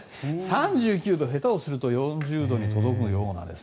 ３９度下手をすると４０度に届くような